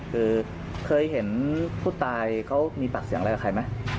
คือเคยเห็นผู้ตายเขามีปากเสียงอะไรกับใครไหม